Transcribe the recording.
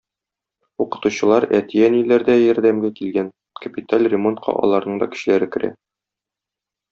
Укытучылар, әти-әниләр дә ярдәмгә килгән, капиталь ремонтка аларның да көчләре керә.